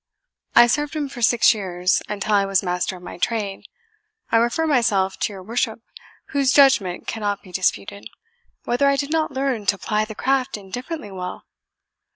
I served him for six years, until I was master of my trade I refer myself to your worship, whose judgment cannot be disputed, whether I did not learn to ply the craft indifferently well?"